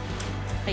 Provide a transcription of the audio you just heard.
はい